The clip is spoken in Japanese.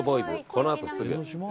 このあとすぐ。